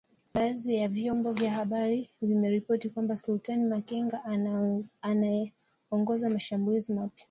Badhi ya vyombo vya habari vimeripoti kwamba Sultani Makenga anaongoza mashambulizi mapya